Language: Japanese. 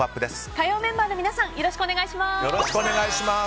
火曜メンバーの皆さんよろしくお願いします。